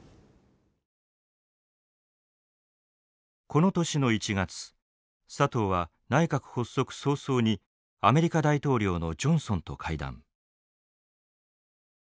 この年の１月佐藤は内閣発足早々にアメリカ大統領のジョンソンと会談。